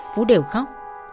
phú đều khóc